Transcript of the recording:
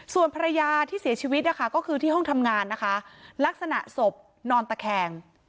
ส่วนภรรยาที่เสียชีวิตนะคะก็คือที่ห้องทำงานนะคะลักษณะศพนอนตะแคง